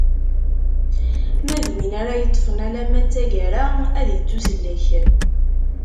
Ma d win ara yeṭṭfen alamma d taggara ad ittusellek.